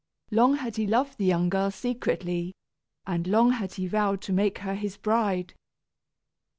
Long had he loved the young girl secretly, and long had he vowed to make her his bride.